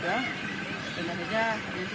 kita mengadapkan rina dari yki juga